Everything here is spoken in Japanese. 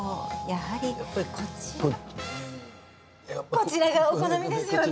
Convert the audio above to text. こちらがお好みですよね。